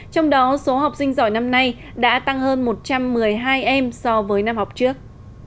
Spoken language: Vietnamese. trong đó số học sinh giỏi năm nay đã tăng hơn một trăm một mươi hai em so với năm học trước